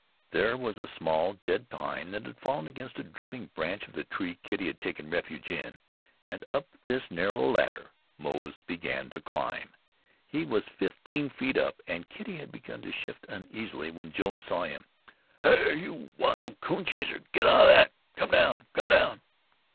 There was a small, dead pine that had fallen against a drooping branch of the tree Kitty had taken refuge in, and up this narrow ladder Moze began to climb. He was fifteen feet up, and Kitty had begun to shift uneasily, when Jones saw him. "Hyar! you wild coon hyar! Git out of that! Come down! Come down!"